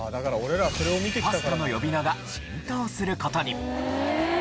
パスタの呼び名が浸透する事に。